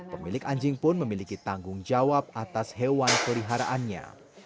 pemilik anjing pun memiliki tanggung jawab atas hewan peliharaannya